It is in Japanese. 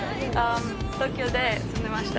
東京で住んでました。